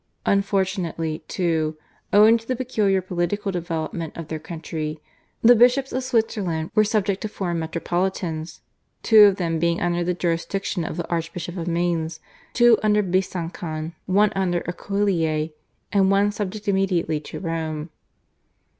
Unfortunately, too, owing to the peculiar political development of their country, the bishops of Switzerland were subject to foreign metropolitans, two of them being under the jurisdiction of the Archbishop of Mainz, two under Besancon, one under Aquileia, and one subject immediately to Rome.